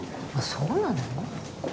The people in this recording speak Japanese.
そうなの？